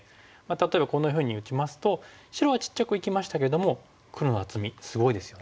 例えばこんなふうに打ちますと白はちっちゃく生きましたけども黒の厚みすごいですよね。